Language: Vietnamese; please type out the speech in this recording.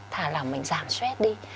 thả lỏng mình giảm stress đi